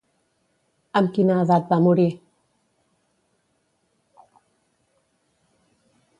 Amb quina edat va morir?